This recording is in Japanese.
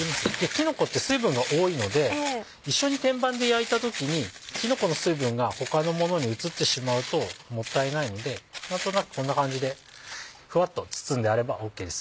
きのこって水分が多いので一緒に天板で焼いた時にきのこの水分が他のものに移ってしまうともったいないので何となくこんな感じでふわっと包んであればＯＫです